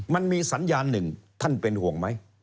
มันมีสัญญาณหนึ่งท่านเป็นห่วงไหม